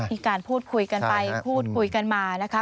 มีการพูดคุยกันไปพูดคุยกันมานะคะ